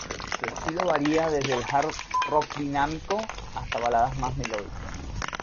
Su estilo varía desde el hard rock dinámico hasta baladas más melódicas.